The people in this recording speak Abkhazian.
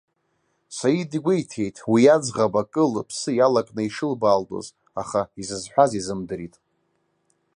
Саид игәеиҭеит, уи аӡӷаб акы лыԥсы иалакны ишылбаалдоз, аха изызҳәаз изымдырит.